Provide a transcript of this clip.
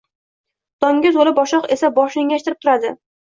Donga toʻla boshoq esa boshini engashtirib turadi.